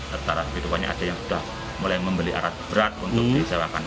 serta kehidupannya ada yang sudah mulai membeli alat berat untuk disewakan